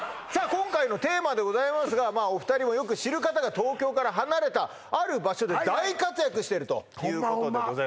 今回のテーマでございますがまあお二人もよく知る方が東京から離れたある場所で大活躍してるということでホンマ